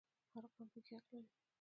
هر قوم پکې حق لري